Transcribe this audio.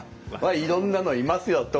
まあいろんなのいますよ。